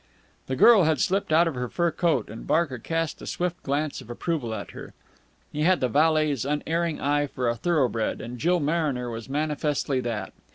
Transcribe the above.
The girl had slipped out of the fur coat, and Barker cast a swift glance of approval at her. He had the valet's unerring eye for a thoroughbred, and Jill Mariner was manifestly that.